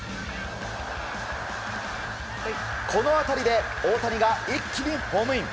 この当たりで大谷が一気にホームイン。